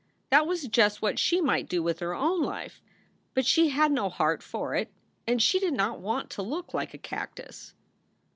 That was just what she might do with her own life; but she had no heart for it and she did not want to look like a cactus.